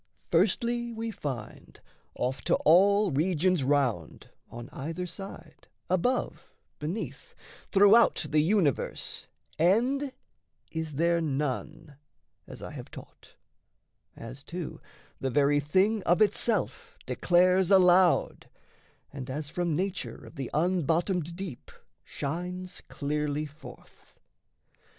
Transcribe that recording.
Firstly, we find, Off to all regions round, on either side, Above, beneath, throughout the universe End is there none as I have taught, as too The very thing of itself declares aloud, And as from nature of the unbottomed deep Shines clearly forth.